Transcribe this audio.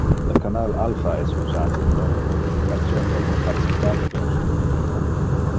Le canal alpha es usate pro le codification del opacitate de un structura.